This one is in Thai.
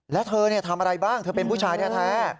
แล้วเธอทำอะไรบ้างเธอเป็นผู้ชายแท้